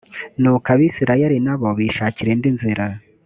nuko abayisraheli na bo bishakira indi nzira.